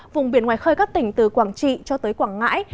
vùng biển ngoài khơi các tỉnh từ quảng trị cho tới quảng ngãi